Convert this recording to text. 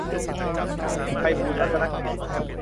ไพบูลย์รัตนกิจ